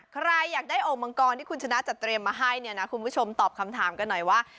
ใครอยากได้โอ่งมังกรที่คุณชนะจะเตรียมมาให้เนี่ยนะคุณผู้ชมตอบคำถามกันหน่อยว่า